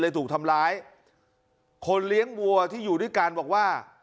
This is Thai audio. ถูกทำร้ายคนเลี้ยงวัวที่อยู่ด้วยกันบอกว่า